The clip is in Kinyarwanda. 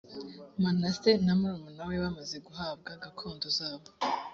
manase na murumuna we bamaze guhabwa gakondo zabo